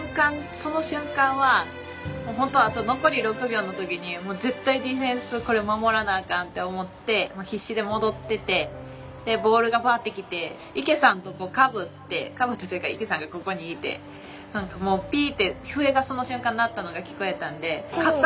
その瞬間はほんとあと残り６秒の時に絶対ディフェンスこれ守らなあかんって思って必死で戻っててでボールがファッて来て池さんとこうかぶってかぶってというか池さんがここにいて何かもうピーッて笛がその瞬間鳴ったのが聞こえたんで「勝った？